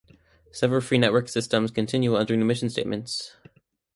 Several free-net systems continue under new mission statements.